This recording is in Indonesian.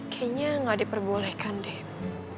kayaknya nggak diperbolehkan ref